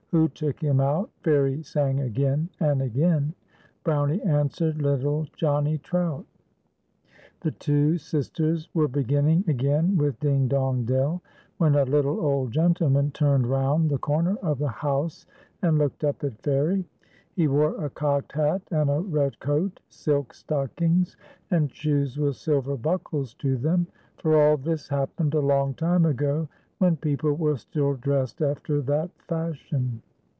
" Wlio took him out?" Fairie sang again and again. Brownie answered, "Little Johnnie Trout." The two sisters were beginning again with " Ding, dong, dell," when a little old gentleman turned round the corner of the house and looked up at Fairie. He wore a cocked hat, a red coat, silk stockings, and shoes with silver buckles to them, for all this happened a long time ago, when people were still dressed after that fashion.